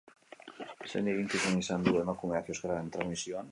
Zein eginkizun izan du emakumeak euskararen transmisioan?